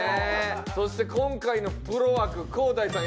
そして今回のプロ枠ｋｏ−ｄａｉさん